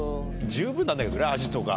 十分なんだけどねアジとか。